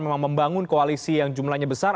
memang membangun koalisi yang jumlahnya besar